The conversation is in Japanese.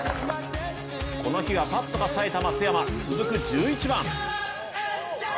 この日はパットが冴えた松山、続く１１番。